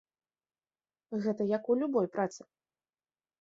Гэта як у любой працы.